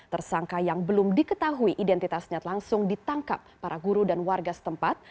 tersangka yang belum diketahui identitasnya langsung ditangkap para guru dan warga setempat